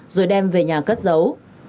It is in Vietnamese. rồi đem về nhà cất giấu